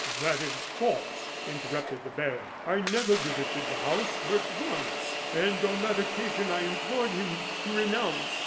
"That is false," interrupted the baron. "I never visited the house but once, and on that occasion I implored him to renounce."